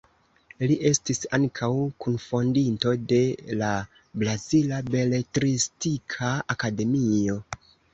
Li estis ankaŭ kunfondinto de la Brazila Beletristika Akademio.